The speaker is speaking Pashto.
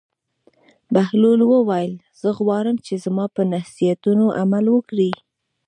بهلول وویل: زه غواړم چې زما پر نصیحتونو عمل وکړې.